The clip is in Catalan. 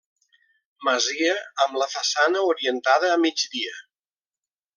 Masia amb la façana orientada a migdia.